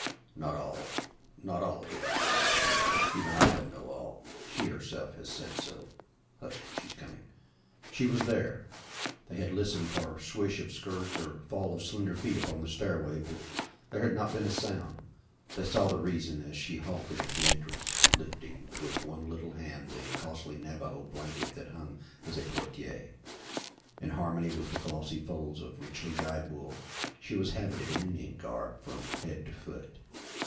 "Not all not all, general! Even I don't know all She herself has said so. Hush! She's coming." She was there! They had listened for swish of skirts or fall of slender feet upon the stairway, but there had not been a sound. They saw the reason as she halted at the entrance, lifting with one little hand the costly Navajo blanket that hung as a portière. In harmony with the glossy folds of richly dyed wool, she was habited in Indian garb from head to foot.